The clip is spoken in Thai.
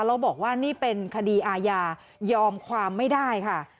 แล้วบอกว่านี่เป็นคดีอาญายอมความไม่ได้ค่ะ